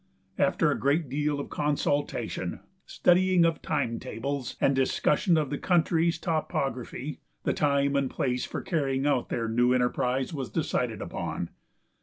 After a great deal of consultation, studying of time tables, and discussion of the country's topography, the time and place for carrying out their new enterprise was decided upon.